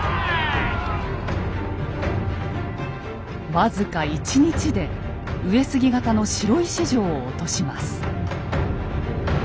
僅か１日で上杉方の白石城を落とします。